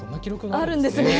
あるんですね。